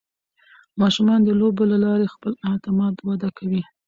ماشومان د لوبو له لارې خپل اعتماد وده کوي.